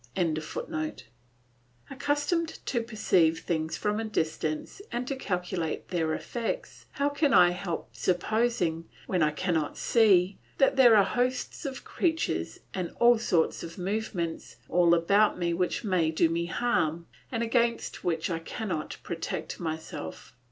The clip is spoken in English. ] Accustomed to perceive things from a distance and to calculate their effects, how can I help supposing, when I cannot see, that there are hosts of creatures and all sorts of movements all about me which may do me harm, and against which I cannot protect myself?